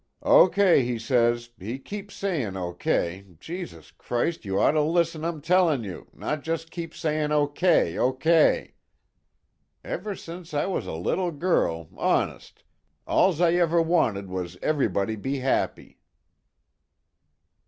_ "Okay he says, he keeps saying okay, Jesus Christ, you ought to listen I'm telling you, not just keep saying okay, okay. Ever since I was little girl, honest, all's I ever wanted was everybody be happy."